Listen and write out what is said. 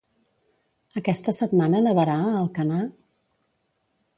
Aquesta setmana nevarà a Alcanar?